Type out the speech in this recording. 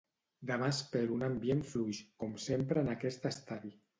Demà espero un ambient fluix, com sempre en aquest estadi.